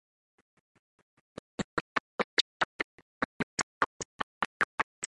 New York hecklers shouted, Burn yourselves, not your cards.